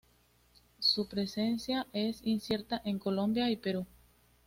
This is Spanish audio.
Su presencia es incierta en Colombia y Perú.